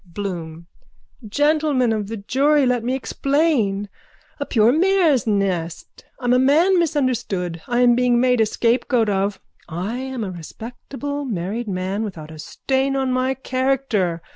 BLOOM: Gentlemen of the jury, let me explain. A pure mare's nest. I am a man misunderstood. I am being made a scapegoat of. I am a respectable married man, without a stain on my character.